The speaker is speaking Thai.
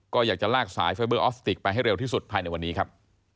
ก็อยากจะลากสายไฟเบอร์ออสติกไปให้เร็วที่สุดภายในวันนี้ครับ